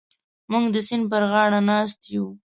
موږ د سیند پر غاړه ناست یو.